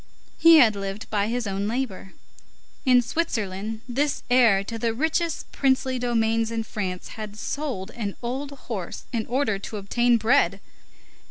He had lived by his own labor. In Switzerland, this heir to the richest princely domains in France had sold an old horse in order to obtain bread.